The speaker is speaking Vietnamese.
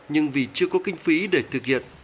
nhưng vì chưa có kinh phí để thực hiện